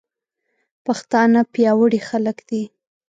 پښتانه پياوړي خلک دي.